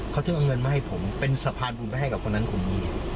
เขาจึงเอาเงินมาให้ผมเป็นสะพานบุญไปให้กับคนนั้นคนนี้